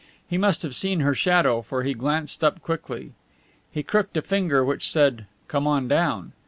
He must have seen her shadow, for he glanced up quickly. He crooked a finger which said, "Come on down!"